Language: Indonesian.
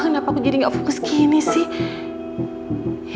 kenapa aku jadi gak fokus gini sih